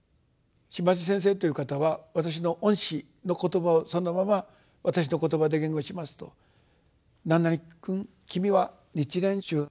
島地先生という方は私の恩師の言葉をそのまま私の言葉で言語しますと「何々君君は日蓮宗。